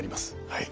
はい。